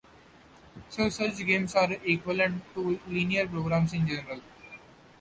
So such games are equivalent to linear programs, in general.